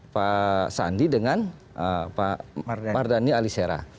pak sandi dengan pak mardhani alisera